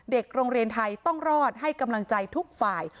โรงเรียนไทยต้องรอดให้กำลังใจทุกฝ่าย